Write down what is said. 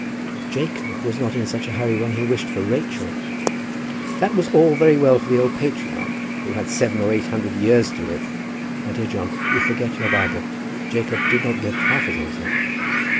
"Jacob was not in such a hurry when he wished for Rachel." "That was all very well for an old patriarch who had seven or eight hundred years to live." "My dear John, you forget your Bible. Jacob did not live half as long as that."